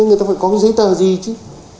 người ta phải có cái giấy tờ gì chứ